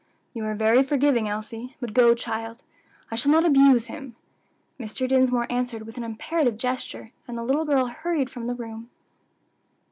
"You are very forgiving, Elsie; but go, child, I shall not abuse him," Mr. Dinsmore answered, with an imperative gesture, and the little girl hurried from the room.